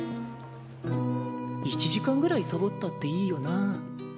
１時間ぐらいサボったっていいよな。